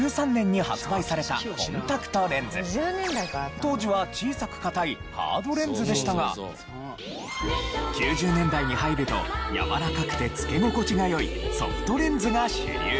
当時は小さく硬いハードレンズでしたが９０年代に入るとやわらかくて着け心地が良いソフトレンズが主流に。